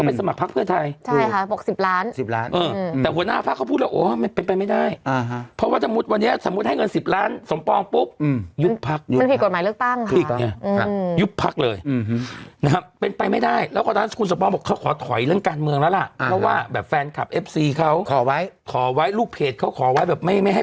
พร้อมความรู้สึกว่าคนขึ้นไปเยอะอย่างเนี้ยพี่ว่าขอข้างล่างก็ได้